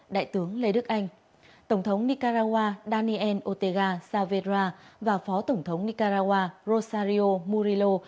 đại tướng lê đức anh tổng thống nicaragua daniel ortega saavedra và phó tổng thống nicaragua rosario murillo